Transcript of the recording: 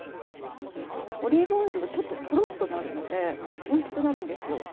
オリーブオイルはとろっとなるのでおいしくなるんですよ。